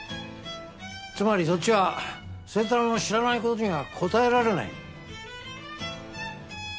つまりそっちは星太郎の知らない事には答えられない。